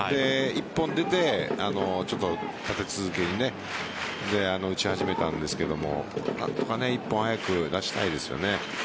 １本出て立て続けに打ち始めたんですが何とか１本早く出したいですよね。